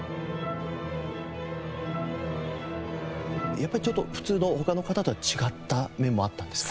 やっぱりちょっと普通の他の方とは違った面もあったんですか？